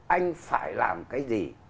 anh phải làm cái gì